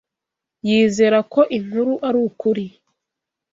Yizera ko inkuru ari ukuri.